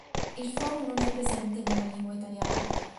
Il fono non è presente nella lingua italiana.